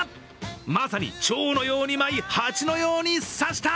まさにちょうのように舞い蜂のように刺した！